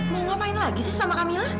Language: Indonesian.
mau ngapain lagi sih sama kamila